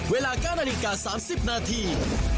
เวลา๙นาฬิกา๓๐นาที